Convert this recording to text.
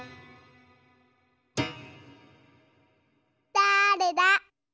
だれだ？